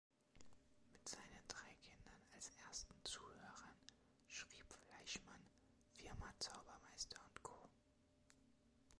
Mit seinen drei Kindern als ersten Zuhörern schrieb Fleischman „Firma Zaubermeister und Co.“.